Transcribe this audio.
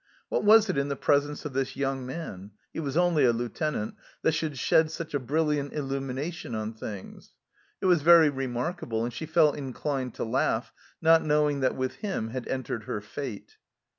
What was it in the presence of this young man he was only a Lieutenant that should shed such a brilliant illumination on things ? It was very remarkable, and she felt inclined to laugh, not knowing that with him had entered her Fate!